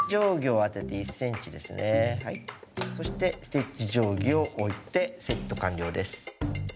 そしてステッチ定規を置いてセット完了です。